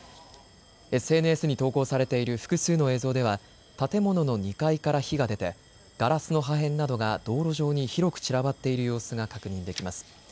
ＳＮＳに投稿されている複数の映像では建物の２階から火が出てガラスの破片などが道路上に広く散らばっている様子が確認できます。